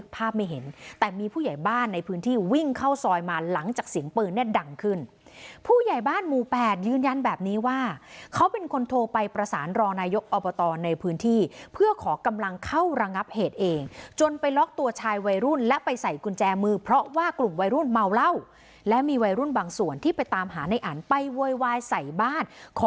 ภาพไม่เห็นแต่มีผู้ใหญ่บ้านในพื้นที่วิ่งเข้าซอยมาหลังจากเสียงปืนเนี่ยดังขึ้นผู้ใหญ่บ้านหมู่แปดยืนยันแบบนี้ว่าเขาเป็นคนโทรไปประสานรองนายกอบตในพื้นที่เพื่อขอกำลังเข้าระงับเหตุเองจนไปล็อกตัวชายวัยรุ่นและไปใส่กุญแจมือเพราะว่ากลุ่มวัยรุ่นเมาเหล้าและมีวัยรุ่นบางส่วนที่ไปตามหาในอันไปโวยวายใส่บ้านขอ